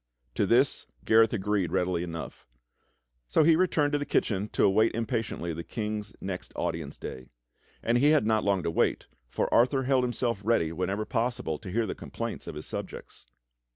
To this Gareth agreed readily enough; so he returned to the kitchen to await impatiently the King's next audience day. And he yhad not long to wait, for Arthur held himself ready whenever possible to hear the complaints of his subjects.